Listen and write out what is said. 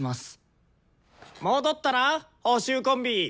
戻ったな補習コンビ。